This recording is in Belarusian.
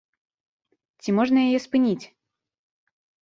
Ці можна яе спыніць?